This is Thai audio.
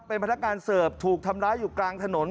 เป็นพนักงานเสิร์ฟถูกทำร้ายอยู่กลางถนน